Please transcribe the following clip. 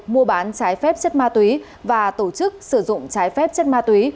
mua bán trái phép chất ma túy và tổ chức sử dụng trái phép chất ma túy